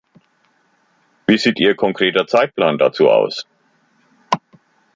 Wie sieht Ihr konkreter Zeitplan dazu aus?